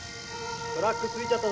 トラック着いちゃった。